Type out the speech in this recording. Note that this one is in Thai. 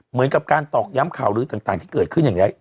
เหมือนกับการตอกย้ำข่าวลื้อต่างที่เกิดขึ้นอย่างนี้